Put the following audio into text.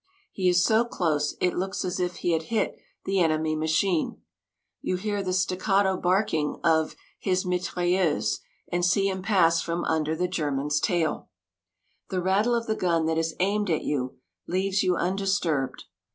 He is so close it looks as if he had hit the enemy machine. You hear the staccato barking of his mitrailleuse and see him pass from under the German's tail. The rattle of the gun that is aimed at you leaves you undisturbed.